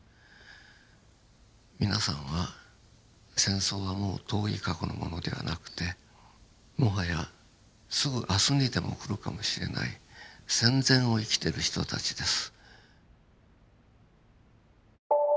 皆さんは戦争はもう遠い過去のものではなくてもはやすぐ明日にでも来るかもしれない戦前を生きてる人たちです。